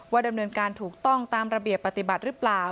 ดำเนินการถูกต้องตามระเบียบปฏิบัติหรือเปล่า